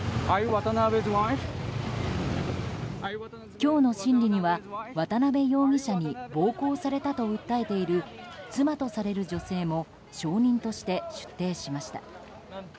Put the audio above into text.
今日の審理には渡邉容疑者に暴行されたと訴えている妻とされる女性も証人として出廷しました。